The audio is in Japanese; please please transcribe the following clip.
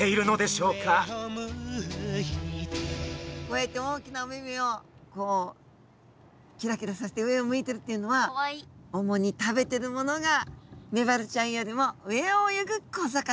こうやって大きなお目々をこうキラキラさせて上を向いてるっていうのは主に食べてるものがメバルちゃんよりも上を泳ぐ小魚。